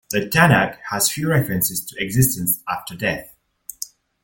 The Tanakh has few references to existence after death.